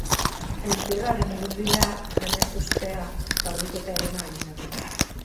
Entzierroaren ibilbidea jendez hustea, garbiketa egin ahal izateko.